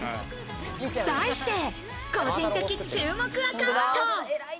題して個人的注目アカウント。